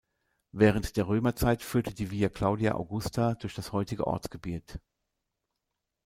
Während der Römerzeit führte die Via Claudia Augusta durch das heutige Ortsgebiet.